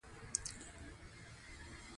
زردالو د افغان کلتور په داستانونو کې راځي.